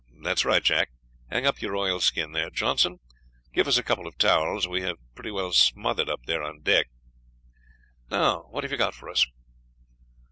"That's right, Jack, hang up your oilskin there. Johnson, give us a couple of towels; we have been pretty well smothered up there on deck. Now what have you got for us?"